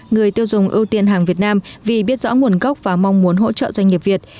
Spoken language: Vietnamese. người tiêu dùng ưu tiên hàng việt nam vì biết rõ nguồn gốc và mong muốn hỗ trợ doanh nghiệp việt